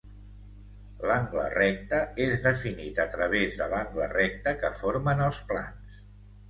L'angle recte és definit a través de l'angle recte que formen els plans.